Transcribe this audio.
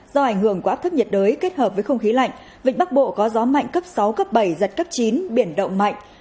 do ảnh hưởng của áp thấp nhiệt đới kết hợp với không khí lạnh vịnh bắc bộ có gió mạnh cấp sáu cấp bảy giật cấp chín biển động mạnh